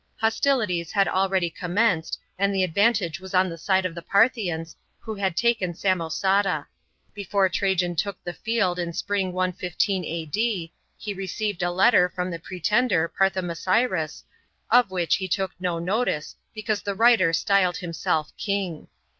Hostilities had already commenced, and the advanfage was on the side of the Parthian*, who had taken Samo ata. Before Trnjan took the field in spring 115 A.D., he received a letter from the pretender Parthomasiris, of which he took no notice, because the writer styled himself "king."